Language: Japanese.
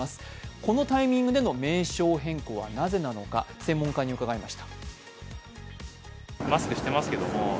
このタイミングでの名称変更はなぜなのか、専門家に伺いました。